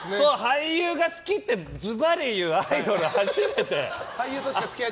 俳優が好きってズバリ言うアイドル初めて。